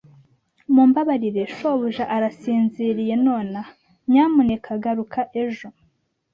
Mumbabarire, shobuja arasinziriye nonaha. Nyamuneka garuka ejo.